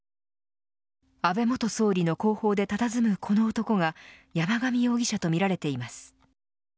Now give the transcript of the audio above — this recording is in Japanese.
安倍元総理の後方でたたずむこの男が山上容疑者とみられています。